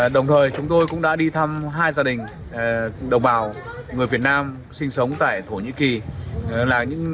đồng thời chúng tôi cũng đã đi thăm hai gia đình đồng bào người việt nam sinh sống tại thổ nhĩ kỳ